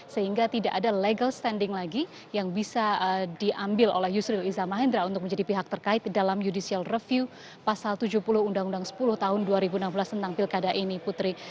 sehingga tidak ada legal standing lagi yang bisa diambil oleh yusril iza mahendra untuk menjadi pihak terkait dalam judicial review pasal tujuh puluh undang undang sepuluh tahun dua ribu enam belas tentang pilkada ini putri